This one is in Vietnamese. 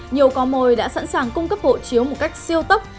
nhiều có mồi đã sẵn sàng cung cấp hộ chiếu một cách siêu tốc